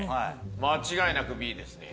間違いなくＢですね。